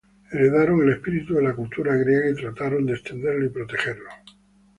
Heredaron el espíritu de la cultura griega y trataron de extenderlo y protegerlo.